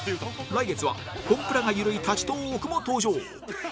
来月はコンプラがゆるい立ちトーークも登場